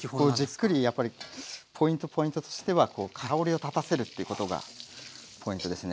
じっくりやっぱりポイントポイントとしては香りをたたせるってことがポイントですね。